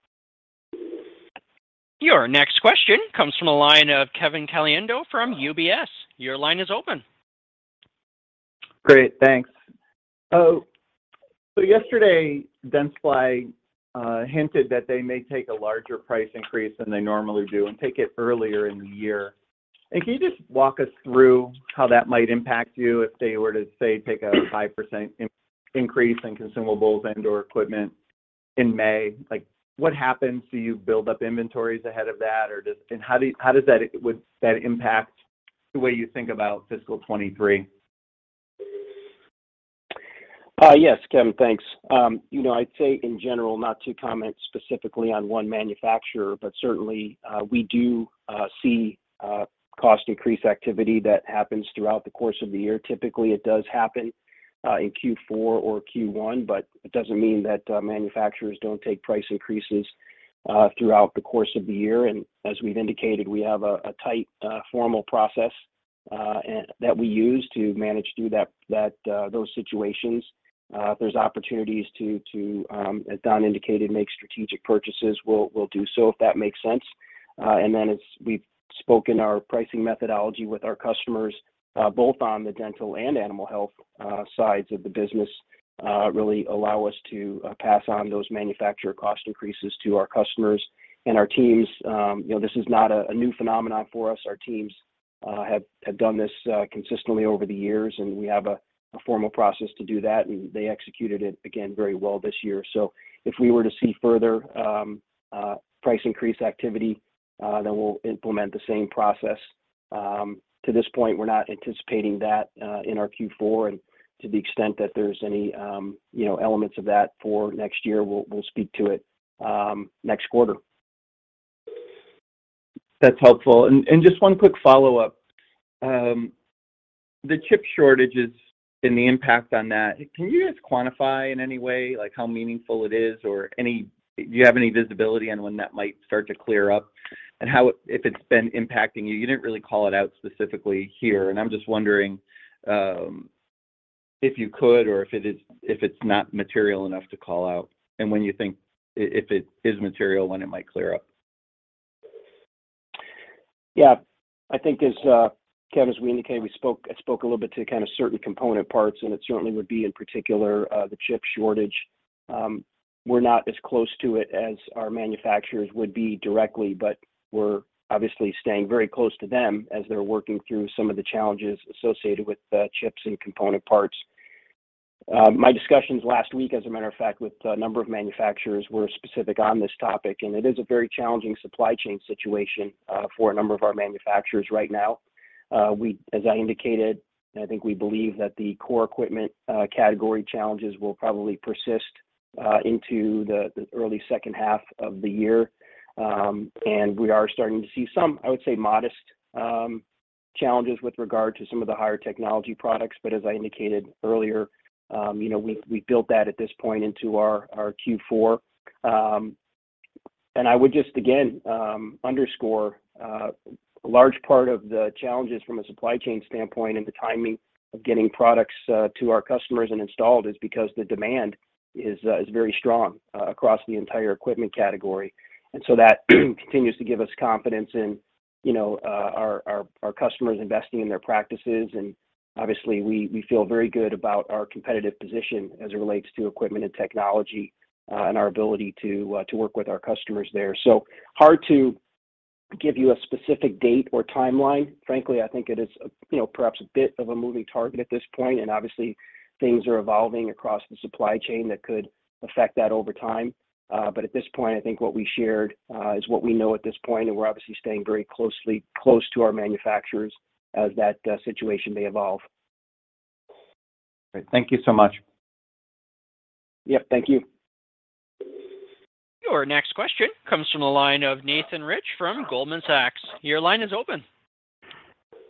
Your next question comes from the line of Kevin Caliendo from UBS. Your line is open. Great. Thanks. So yesterday Dentsply hinted that they may take a larger price increase than they normally do and take it earlier in the year. Can you just walk us through how that might impact you if they were to, say, take a 5% increase in consumables and/or equipment in May? Like, what happens? Do you build up inventories ahead of that? How would that impact the way you think about fiscal 2023? Yes, Kevin. Thanks. You know, I'd say in general, not to comment specifically on one manufacturer, but certainly we do see cost increase activity that happens throughout the course of the year. Typically, it does happen in Q4 or Q1, but it doesn't mean that manufacturers don't take price increases throughout the course of the year. As we've indicated, we have a tight formal process that we use to manage through those situations. If there's opportunities to, as Don indicated, make strategic purchases, we'll do so if that makes sense. As we've spoken our pricing methodology with our customers, both on the dental and animal health sides of the business, really allow us to pass on those manufacturer cost increases to our customers and our teams. You know, this is not a new phenomenon for us. Our teams have done this consistently over the years, and we have a formal process to do that, and they executed it again very well this year. If we were to see further price increase activity, then we'll implement the same process. To this point, we're not anticipating that in our Q4. To the extent that there's any, you know, elements of that for next year, we'll speak to it next quarter. That's helpful. Just one quick follow-up. The chip shortages and the impact on that, can you just quantify in any way, like how meaningful it is or any. Do you have any visibility on when that might start to clear up and how, if it's been impacting you? You didn't really call it out specifically here, and I'm just wondering. If you could or if it's not material enough to call out. When you think if it is material, when it might clear up. Yeah. I think as Kevin, as we indicated, I spoke a little bit to kind of certain component parts, and it certainly would be in particular the chip shortage. We're not as close to it as our manufacturers would be directly, but we're obviously staying very close to them as they're working through some of the challenges associated with chips and component parts. My discussions last week, as a matter of fact, with a number of manufacturers were specific on this topic, and it is a very challenging supply chain situation for a number of our manufacturers right now. As I indicated, and I think we believe that the core equipment category challenges will probably persist into the early second half of the year. We are starting to see some, I would say, modest challenges with regard to some of the higher technology products. As I indicated earlier, you know, we built that at this point into our Q4. I would just again underscore a large part of the challenges from a supply chain standpoint and the timing of getting products to our customers and installed is because the demand is very strong across the entire equipment category. That continues to give us confidence in, you know, our customers investing in their practices. Obviously we feel very good about our competitive position as it relates to equipment and technology and our ability to work with our customers there. Hard to give you a specific date or timeline. Frankly, I think it is, you know, perhaps a bit of a moving target at this point, and obviously things are evolving across the supply chain that could affect that over time. At this point, I think what we shared is what we know at this point, and we're obviously staying very close to our manufacturers as that situation may evolve. Great. Thank you so much. Yep. Thank you. Your next question comes from the line of Nathan Rich from Goldman Sachs. Your line is open.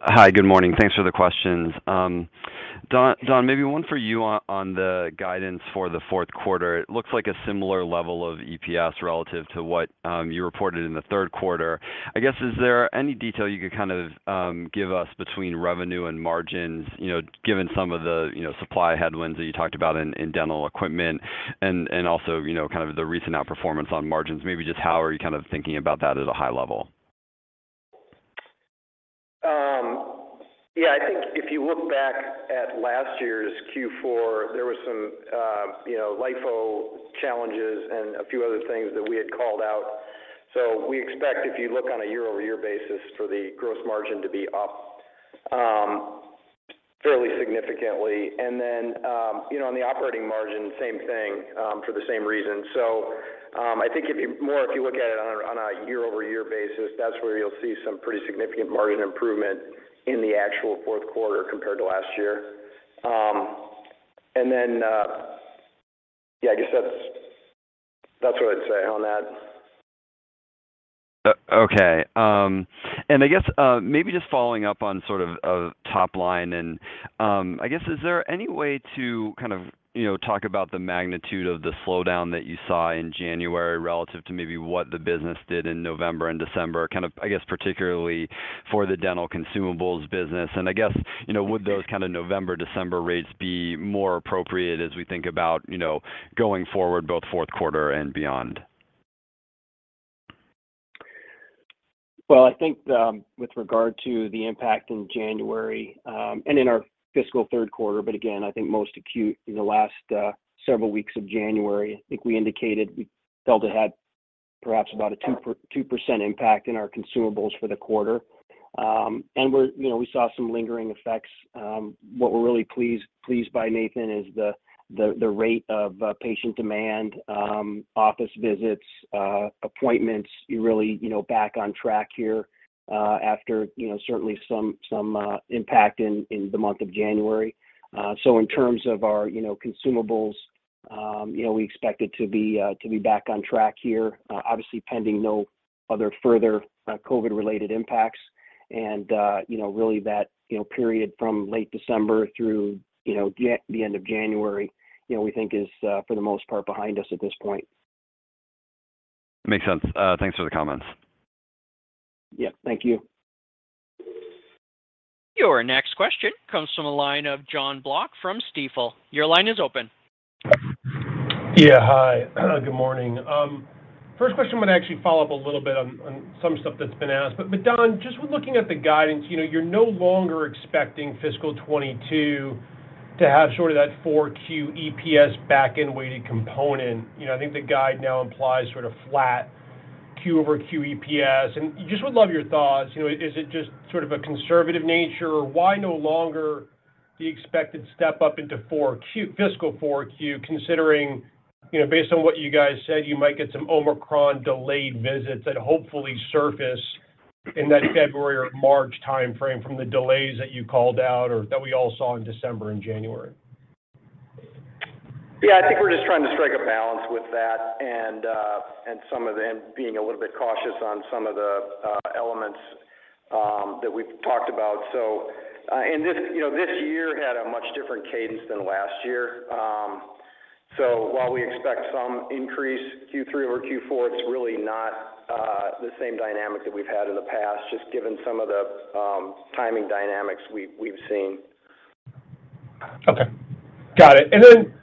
Hi. Good morning. Thanks for the questions. Don, maybe one for you on the guidance for the fourth quarter. It looks like a similar level of EPS relative to what you reported in the third quarter. I guess is there any detail you could kind of give us between revenue and margins, you know, given some of the, you know, supply headwinds that you talked about in dental equipment and also, you know, kind of the recent outperformance on margins? Maybe just how are you kind of thinking about that at a high level? Yeah. I think if you look back at last year's Q4, there was some, you know, LIFO challenges and a few other things that we had called out. We expect if you look on a year-over-year basis for the gross margin to be up fairly significantly. Then, you know, on the operating margin, same thing for the same reason. I think more if you look at it on a year-over-year basis, that's where you'll see some pretty significant margin improvement in the actual fourth quarter compared to last year. Then, yeah, I guess that's what I'd say on that. I guess, maybe just following up on sort of top line and, I guess, is there any way to kind of, you know, talk about the magnitude of the slowdown that you saw in January relative to maybe what the business did in November and December, kind of I guess particularly for the dental consumables business? I guess, you know, would those kind of November, December rates be more appropriate as we think about, you know, going forward both fourth quarter and beyond? Well, I think with regard to the impact in January and in our fiscal third quarter, but again, I think most acute in the last several weeks of January. I think we indicated we felt it had perhaps about a 2% impact in our consumables for the quarter. And we're you know, we saw some lingering effects. What we're really pleased by Nathan is the rate of patient demand, office visits, appointments. You're really you know, back on track here after you know, certainly some impact in the month of January. So in terms of our you know, consumables you know, we expect it to be back on track here obviously pending no other further COVID related impacts. You know, really that, you know, period from late December through, you know, the end of January, you know, we think is, for the most part behind us at this point. Makes sense. Thanks for the comments. Yeah. Thank you. Your next question comes from the line of Jonathan Block from Stifel. Your line is open. Yeah. Hi. Good morning. First question, I'm gonna actually follow up a little bit on some stuff that's been asked. But Don, just with looking at the guidance, you know, you're no longer expecting fiscal 2022 to have sort of that Q4 EPS back-end weighted component. You know, I think the guide now implies sort of flat quarter-over-quarter EPS. I just would love your thoughts. You know, is it just sort of a conservative nature? Why no longer the expected step up into Q4, fiscal Q4, considering, you know, based on what you guys said, you might get some Omicron delayed visits that hopefully surface in that February or March timeframe from the delays that you called out or that we all saw in December and January? Yeah. I think we're just trying to strike a balance with that and some of them being a little bit cautious on some of the elements that we've talked about. You know, this year had a much different cadence than last year. While we expect some increase Q3 over Q4, it's really not the same dynamic that we've had in the past, just given some of the timing dynamics we've seen. Okay. Got it. Then,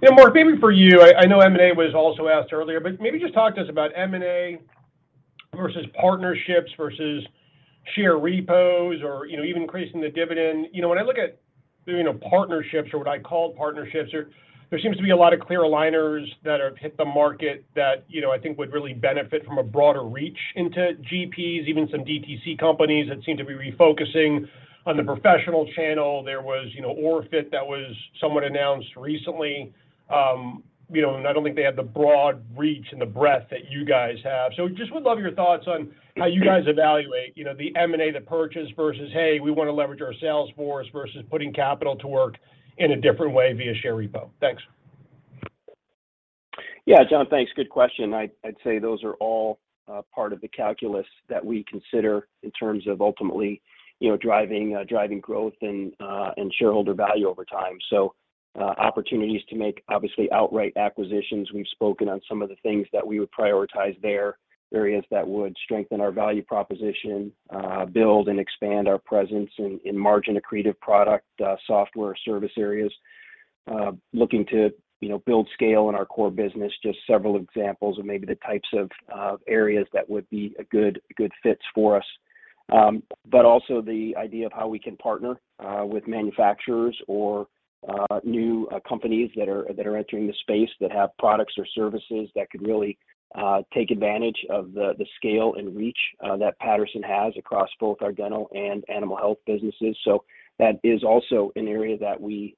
you know, Mark, maybe for you, I know M&A was also asked earlier, but maybe just talk to us about M&A versus partnerships versus share repos or, you know, even increasing the dividend. You know, when I look at, you know, partnerships or what I call partnerships or there seems to be a lot of clear aligners that have hit the market that, you know, I think would really benefit from a broader reach into GPs, even some DTC companies that seem to be refocusing on the professional channel. There was, you know, OrthoFi that was somewhat announced recently. You know, and I don't think they had the broad reach and the breadth that you guys have. Just would love your thoughts on how you guys evaluate, you know, the M&A, the purchase versus, "Hey, we wanna leverage our sales force," versus putting capital to work in a different way via share repo. Thanks. Yeah. John, thanks. Good question. I'd say those are all part of the calculus that we consider in terms of ultimately, you know, driving growth and shareholder value over time. Opportunities to make obviously outright acquisitions. We've spoken on some of the things that we would prioritize there. Areas that would strengthen our value proposition, build and expand our presence in margin accretive product software service areas. Looking to, you know, build scale in our core business. Just several examples of maybe the types of areas that would be a good fits for us. The idea of how we can partner with manufacturers or new companies that are entering the space that have products or services that could really take advantage of the scale and reach that Patterson has across both our dental and animal health businesses. That is also an area that we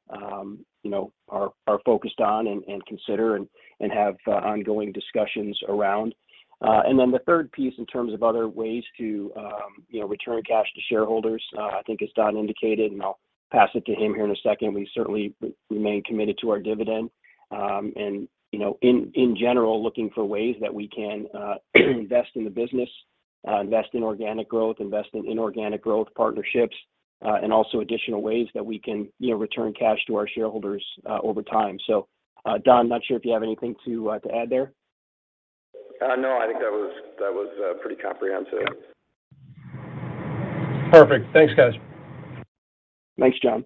you know are focused on and consider and have ongoing discussions around. The third piece in terms of other ways to you know return cash to shareholders I think as Don indicated, and I'll pass it to him here in a second. We certainly remain committed to our dividend. You know, in general, looking for ways that we can invest in the business, invest in organic growth, invest in inorganic growth partnerships, and also additional ways that we can, you know, return cash to our shareholders over time. Don, not sure if you have anything to add there. No, I think that was pretty comprehensive. Perfect. Thanks, guys. Thanks, John.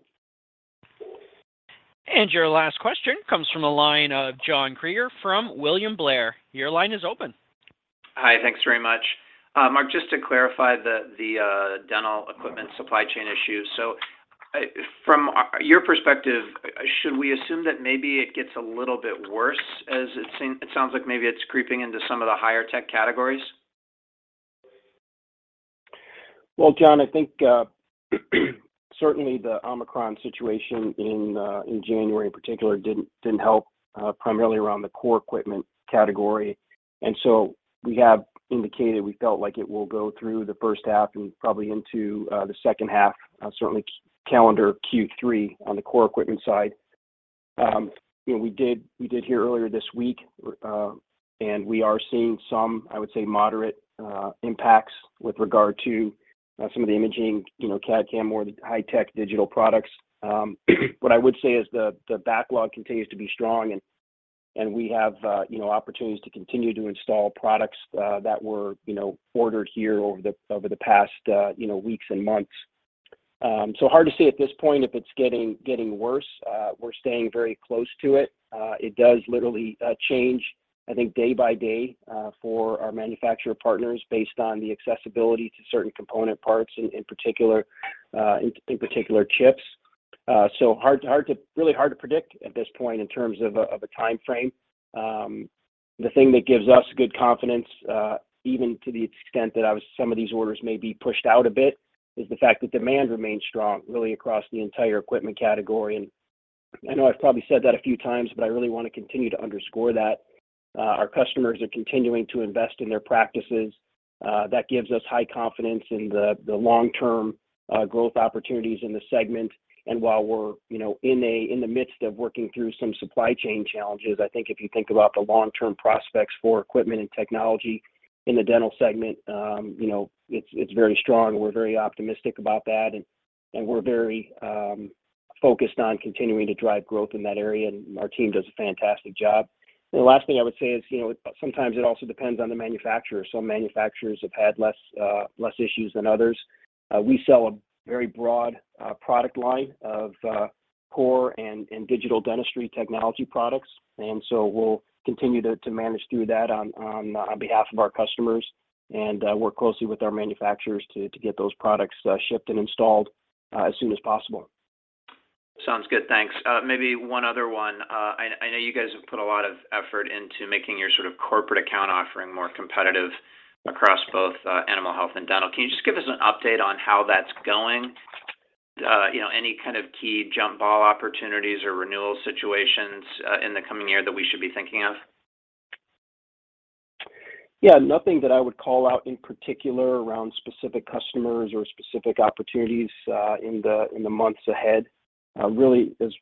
Your last question comes from the line of John Kreger from William Blair. Your line is open. Hi. Thanks very much. Mark, just to clarify the dental equipment supply chain issue. From your perspective, should we assume that maybe it gets a little bit worse? It sounds like maybe it's creeping into some of the higher tech categories? Well, John, I think certainly the Omicron situation in January in particular didn't help primarily around the core equipment category. We have indicated we felt like it will go through the first half and probably into the second half certainly calendar Q3 on the core equipment side. You know, we did hear earlier this week and we are seeing some I would say moderate impacts with regard to some of the imaging you know CAD/CAM or the high tech digital products. What I would say is the backlog continues to be strong and we have you know opportunities to continue to install products that were you know ordered here over the past you know weeks and months. So hard to say at this point if it's getting worse. We're staying very close to it. It does literally change, I think, day by day for our manufacturer partners based on the accessibility to certain component parts in particular chips. So really hard to predict at this point in terms of a timeframe. The thing that gives us good confidence, even to the extent that some of these orders may be pushed out a bit, is the fact that demand remains strong really across the entire equipment category. I know I've probably said that a few times, but I really wanna continue to underscore that. Our customers are continuing to invest in their practices. That gives us high confidence in the long-term growth opportunities in the segment. While we're, you know, in the midst of working through some supply chain challenges, I think if you think about the long-term prospects for equipment and technology in the dental segment, you know, it's very strong. We're very optimistic about that and we're very focused on continuing to drive growth in that area, and our team does a fantastic job. The last thing I would say is, you know, sometimes it also depends on the manufacturer. Some manufacturers have had less issues than others. We sell a very broad product line of core and digital dentistry technology products, and so we'll continue to manage through that on behalf of our customers and work closely with our manufacturers to get those products shipped and installed as soon as possible. Sounds good. Thanks. Maybe one other one. I know you guys have put a lot of effort into making your sort of corporate account offering more competitive across both, animal health and dental. Can you just give us an update on how that's going? You know, any kind of key jump ball opportunities or renewal situations, in the coming year that we should be thinking of? Yeah. Nothing that I would call out in particular around specific customers or specific opportunities in the months ahead. Really as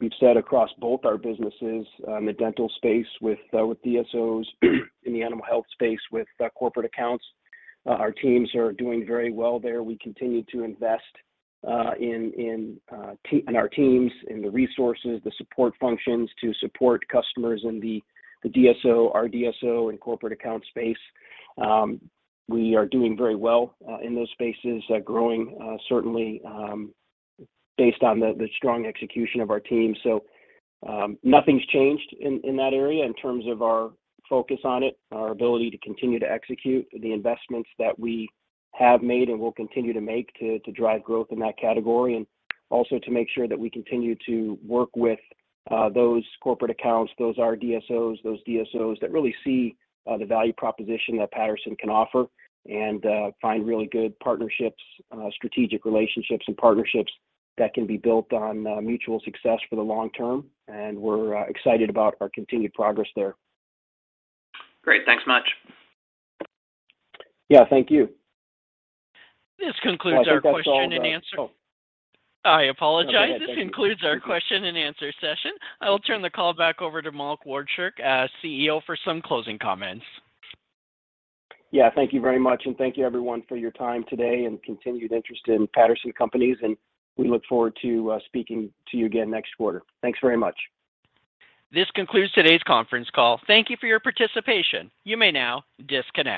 we've said across both our businesses, the dental space with DSOs, in the animal health space with corporate accounts, our teams are doing very well there. We continue to invest in our teams, in the resources, the support functions to support customers in the DSO, RDSO and corporate account space. We are doing very well in those spaces, growing certainly, based on the strong execution of our team. Nothing's changed in that area in terms of our focus on it, our ability to continue to execute the investments that we have made and will continue to make to drive growth in that category. Also to make sure that we continue to work with those corporate accounts, those RDSOs, those DSOs that really see the value proposition that Patterson can offer and find really good partnerships, strategic relationships and partnerships that can be built on mutual success for the long term. We're excited about our continued progress there. Great. Thanks much. Yeah, thank you. This concludes our question and answer. I think that's all. Oh. I apologize. No, go ahead. Thank you. This concludes our question and answer session. I'll turn the call back over to Mark Walchirk, CEO, for some closing comments. Yeah. Thank you very much, and thank you everyone for your time today and continued interest in Patterson Companies, and we look forward to speaking to you again next quarter. Thanks very much. This concludes today's conference call. Thank you for your participation. You may now disconnect.